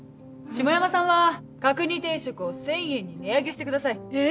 下山さんは角煮定食を１０００円に値上げしてください。え！